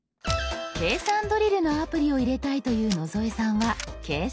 計算ドリルのアプリを入れたいという野添さんは「計算」。